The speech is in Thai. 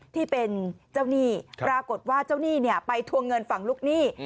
ที่เป็นเจ้าหนี้ปรากฏว่าเจ้าหนี้เนี่ยไปทวงเงินฝั่งลูกหนี้